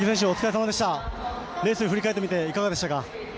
レースを振り返ってみていかがでしたか？